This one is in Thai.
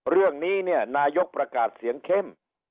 เรื่องนี้เนี่ยนายกประกาศเสียงเข้ม